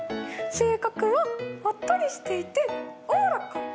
性格はおっとりしていておおらかで。